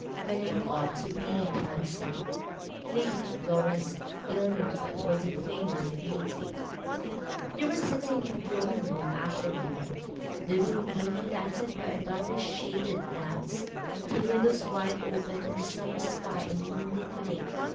'Then he ought to be handsome. Lady Florence Ilmington was a famous beauty.' They were sitting in the drawing room after dinner, the room dimly lighted by darkly shaded lamps, the windows wide open to the summer sky and moonlit lake.